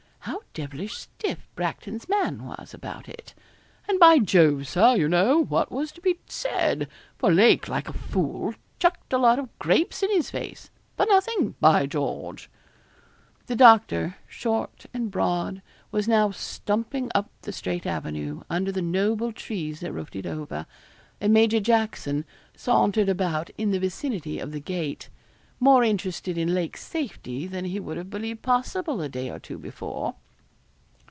How devilish stiff Bracton's man was about it. And, by Jove, Sir! you know, what was to be said? for Lake, like a fool, chucked a lot of grapes in his face for nothing, by George!' The doctor, short and broad, was now stumping up the straight avenue, under the noble trees that roofed it over, and Major Jackson sauntered about in the vicinity of the gate, more interested in Lake's safety than he would have believed possible a day or two before.